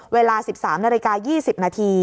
เวลา๑๓น๒๐น